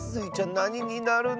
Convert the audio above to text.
なにになるの？